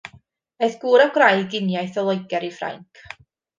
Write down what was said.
Aeth gŵr a gwraig uniaith o Loegr i Ffrainc.